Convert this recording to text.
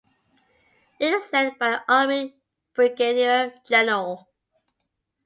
It is led by an army brigadier general.